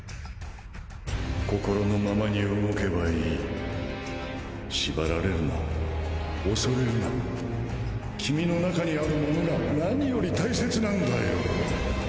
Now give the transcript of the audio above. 心のままに動けばいい縛られるな恐れるな君の中にあるモノが何より大切なんだよ